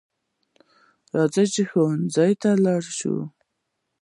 راځه چې ښوونځي ته لاړ شو